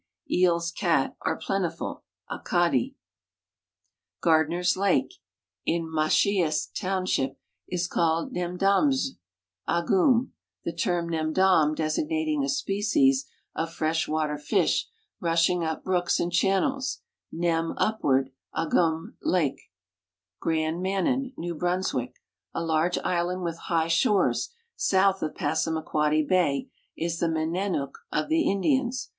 eels (kat) are jilentiful (akadi)." 22 ALL AROUND THE BAY OF PASSAALiQUODDY Gardner's lake, in Machias township, is called Nemdamsw' agum, the term n^mdani designating a species of fresh water fish rushing up brooks and channels (nem, upward) ; dgnm, "lake." Grand Manan, New Brunswick, a large island with high shores, south of Passamaquoddy bay, is the Menaniik of the Indians.